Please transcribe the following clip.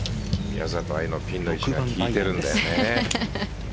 宮里藍のピンの位置効いているんだね。